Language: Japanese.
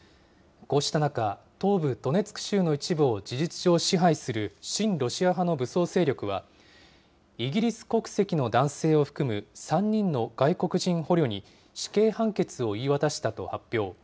こうした中、東部ドネツク州の一部を事実上支配する親ロシア派の武装勢力は、イギリス国籍の男性を含む３人の外国人捕虜に、死刑判決を言い渡したと発表。